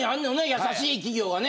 優しい企業がね。